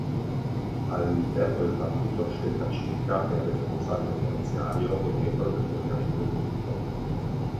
All'interno del partito Scelta Civica è il responsabile finanziario e membro del coordinamento politico.